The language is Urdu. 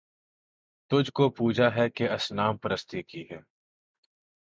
تجھ کو پوجا ہے کہ اصنام پرستی کی ہے